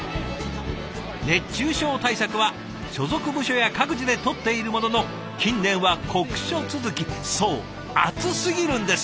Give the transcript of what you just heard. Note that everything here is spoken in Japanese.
熱中症対策は所属部署や各自でとっているものの近年は酷暑続きそう暑すぎるんです。